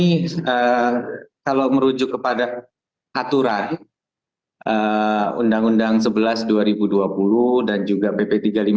ini kalau merujuk kepada aturan undang undang sebelas dua ribu dua puluh dan juga bp tiga puluh lima dua ribu dua puluh satu